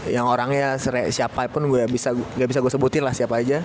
yang orangnya siapapun gak bisa gue sebutin lah siapa aja